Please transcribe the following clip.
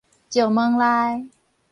石門內